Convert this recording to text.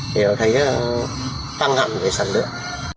thì họ thấy tăng hẳn cái sản lượng